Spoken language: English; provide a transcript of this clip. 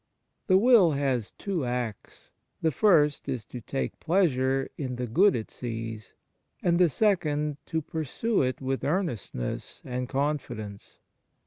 The will has two acts: the first is to take pleasure in the good it sees, and the second to pursue it with earnestness and con fidence.